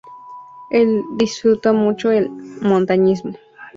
El disfruta mucho el montañismo.